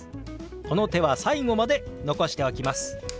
この手は最後まで残しておきます。